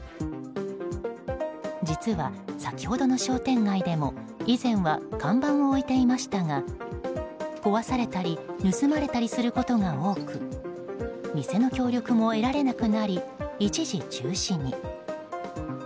実は先ほどの商店街でも以前は看板を置いていましたが壊されたり盗まれたりすることが多く店の協力も得られなくなり一時中止に。